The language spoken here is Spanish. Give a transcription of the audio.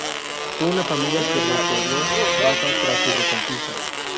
Fue una familia que repobló Baza tras su reconquista.